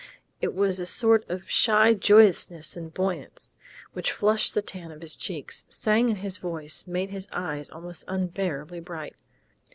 It was a sort of shy joyousness and buoyance, which flushed the tan of his cheeks, sang in his voice, made his eyes almost unbearably bright....